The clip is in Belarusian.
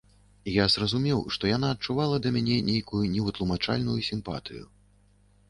Я зразумеў, што яна адчувала да мяне нейкую невытлумачальную сімпатыю.